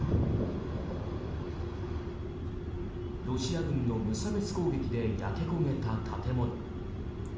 ロシア軍の無差別攻撃で焼け焦げた建物。